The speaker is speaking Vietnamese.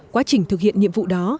quá trình thực hiện nhiệm vụ đó